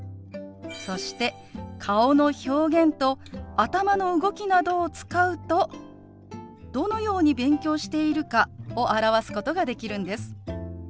そして顔の表現と頭の動きなどを使うとどのように勉強しているかを表すことができるんです。